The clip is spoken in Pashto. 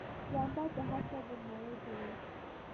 جانداد د هر چا درناوی کوي.